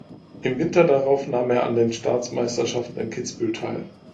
Im Winter darauf nahm er an den Staatsmeisterschaften in Kitzbühel teil.